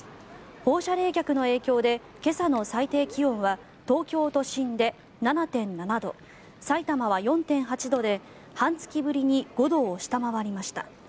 放射冷却の影響で今朝の最低気温は東京都心で７．７度さいたまは４．８度で半月ぶりに５度を下回りました。